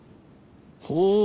ほう。